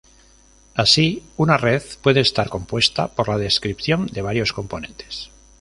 Así, una red puede estar compuesta por la descripción de varios componentes.